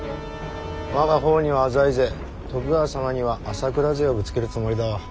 我が方には浅井勢徳川様には朝倉勢をぶつけるつもりだわ。